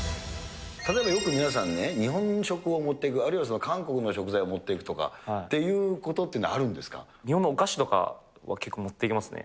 例えばよく皆さんね、日本食を持っていく、あるいは、韓国の食材を持っていくとかっていうこ日本のお菓子とかは、結構持っていきますね。